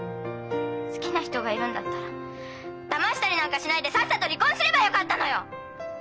好きな人がいるんだったらだましたりなんかしないでさっさと離婚すればよかったのよ！